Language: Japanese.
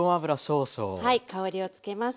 香りをつけます。